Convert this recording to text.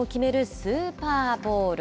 スーパーボウル。